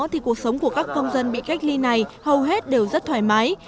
thì cuộc sống của các công dân bị cách ly này hầu hết đều rất thoải mái